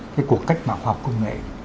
cái cuộc cách mạng khoa học công nghệ